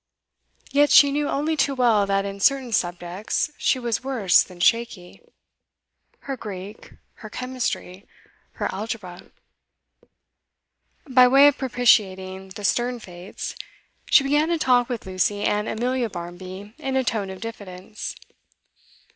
Yet she knew only too well that in certain 'subjects' she was worse than shaky. Her Greek her Chemistry her Algebra By way of propitiating the stern fates, she began to talk with Lucy and Amelia Barmby in a tone of diffidence.